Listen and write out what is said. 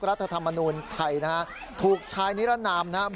รัฐธรรมนูญไทยนะฮะถูกชายนิรนามนะครับ